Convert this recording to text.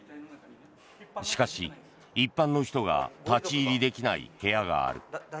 しかし、一般の人が立ち入りできない部屋がある。